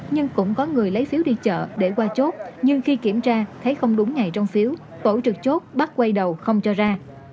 nhưng cũng có người lấy phiếu đi chợ để qua chốt nhưng khi kiểm tra thấy không đúng ngày trong phiếu tổ trực chốt bắt quay đầu không cho ra